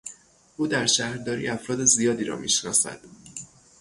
او در شهرداری افراد زیادی را میشناسد.